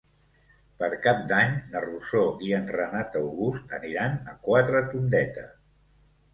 Per Cap d'Any na Rosó i en Renat August aniran a Quatretondeta.